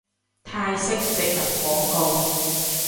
泰式植入廣告